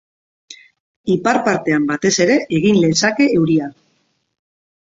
Ipar-partean, batez ere, egin lezake euria.